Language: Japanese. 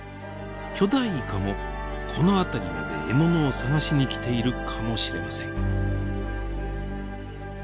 巨大イカもこの辺りまで獲物を探しに来ているかもしれません。